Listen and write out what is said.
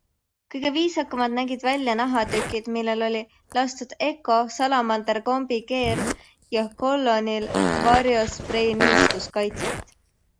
Kõige viisakamad nägid välja nahatükid, millele oli lastud Ecco, Salamander Combi Care ja Collonil Vario Spray niiskuskaitset.